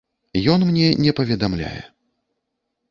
Ён мне не паведамляе.